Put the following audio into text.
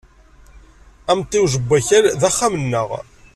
Amtiweg n Wakal d axxam-nneɣ.